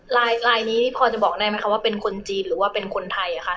ลายนี้พอจะบอกได้ไหมคะว่าเป็นคนจีนหรือว่าเป็นคนไทย